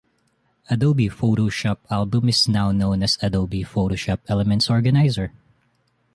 Adobe Photoshop Album is now known as Adobe Photoshop Elements Organizer.